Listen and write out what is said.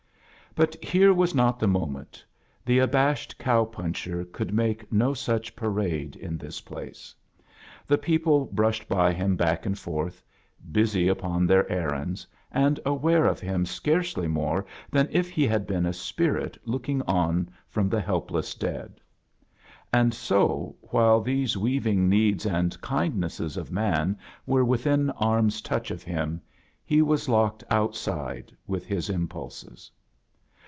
But here was not the mo meat; the abashed cow poacher could make no soch parade in this place. The people brushed by him back and forth, busy opon their errands, and aware of him scarcely more than if he had been a spirit looking on from the helpless dead; and so, while these weaving needs and kindnesses of man were within arm's touch of him, he was locked outside with his impulses.